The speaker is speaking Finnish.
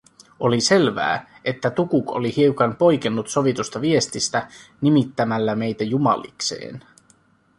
Oli selvää, että Tukuk oli hiukan poikennut sovitusta viestistä nimittämällä meitä jumalikseen.